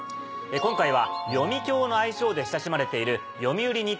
今回は「読響」の愛称で親しまれている。